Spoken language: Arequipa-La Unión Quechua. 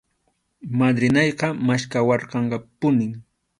Madrinayqa maskhawarqanpunim.